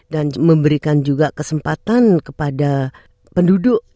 dan memberikan juga kesempatan kepada penduduk